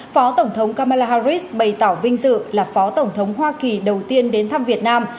phó tổng thống kamala harris bày tỏ vinh dự là phó tổng thống hoa kỳ đầu tiên đến thăm việt nam